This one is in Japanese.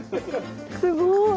すごい。